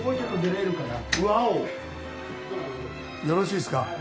よろしいですか？